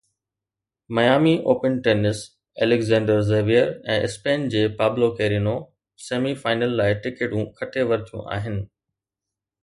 Miami Open tennis Alexander Zverev ۽ Spain جي Pablo Carreno semi final لاءِ ٽڪيٽون کٽي ورتيون آهن.